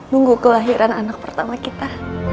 nunggu kelahiran anak pertama kita